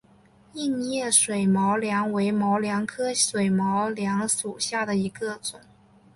硬叶水毛茛为毛茛科水毛茛属下的一个种。